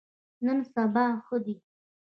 نن سبا ښه دي.